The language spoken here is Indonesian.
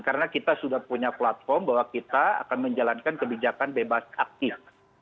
karena kita sudah punya platform bahwa kita akan menjalankan kebijakan bebas aktif